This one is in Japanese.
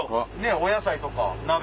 お野菜とか。